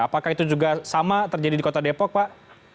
apakah itu juga sama terjadi di kota depok pak